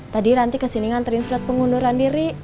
tadi ranti kesini nganterin surat pengunduran diri